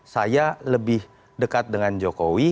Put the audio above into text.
saya lebih dekat dengan jokowi